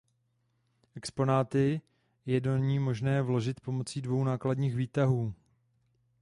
Exponáty je do ní možné vozit pomocí dvou nákladních výtahů.